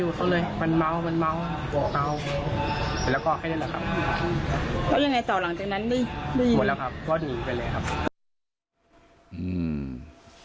หมดแล้วครับก็หนีไปเลยครับ